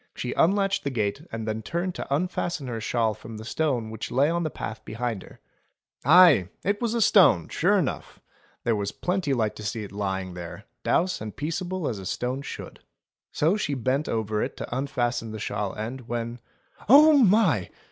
She unlatched the gate and then turned to unfasten her shawl from the stone which lay on the path behind her. Aye ! it was a stone sure enough. There was plenty light to see it lying there, douce and peaceable as a stone should. So she bent over it to unfasten the shawl end, when — "Oh my!"